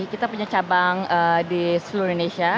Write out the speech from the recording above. kita punya cabang di seluruh indonesia